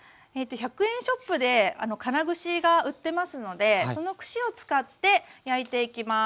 １００円ショップで金串が売ってますのでその串を使って焼いていきます。